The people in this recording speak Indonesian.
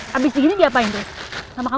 kemencos keno pasar